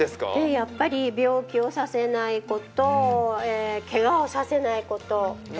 やっぱり病気をさせないこと、けがをさせないこと。